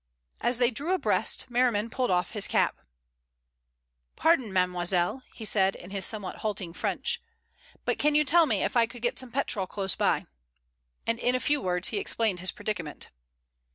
As they drew abreast Merriman pulled off his cap. "Pardon, mademoiselle," he said in his somewhat halting French, "but can you tell me if I could get some petrol close by?" and in a few words he explained his predicament.